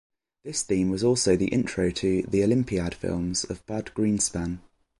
This theme was also the intro to "The Olympiad" films of Bud Greenspan.